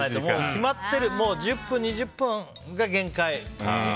決まってる、１０分２０分が限界。